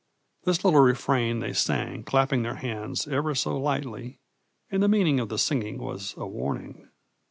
'] This little refrain they sang, clapping their hands ever so lightly, and the meaning of the singing was a warning.